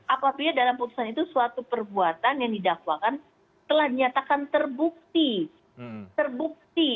apabila dalam putusan itu suatu perbuatan yang didakwakan telah dinyatakan terbukti